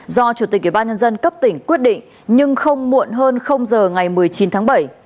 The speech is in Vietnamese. do chủ tịch ủy ban nhân dân cấp tỉnh quyết định nhưng không muộn hơn giờ ngày một mươi chín tháng bảy